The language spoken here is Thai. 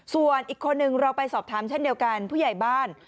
ส่วนอีกคนนึงเราไปสอบถามเช่นเดียวกันผู้ใหญ่บ้าน